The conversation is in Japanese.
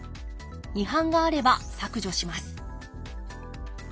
違反があれば削除します。